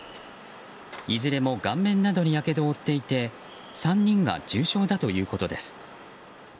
いずれも顔面などにやけどを負っていて３人が重傷だということです。